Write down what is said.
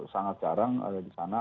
sangat jarang ada di sana